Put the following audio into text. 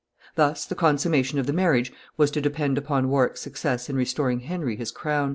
Thus the consummation of the marriage was to depend upon Warwick's success in restoring Henry his crown.